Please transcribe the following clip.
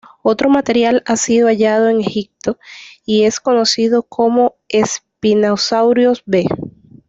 Otro material ha sido hallado en Egipto y es conocido como "Spinosaurus B".